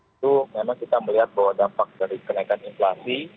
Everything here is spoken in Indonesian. itu memang kita melihat bahwa dampak dari kenaikan inflasi